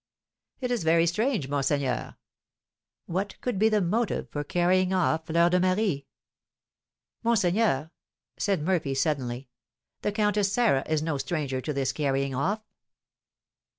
"It is very strange, monseigneur." "What could be the motive for carrying off Fleur de Marie?" "Monseigneur!" said Murphy, suddenly, "the Countess Sarah is no stranger to this carrying off."